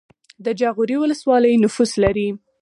د جاغوری ولسوالۍ نفوس لري